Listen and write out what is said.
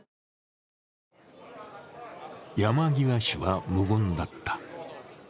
山際氏は無言だった。